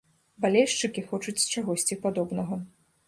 Балельшчыкі хочуць чагосьці падобнага.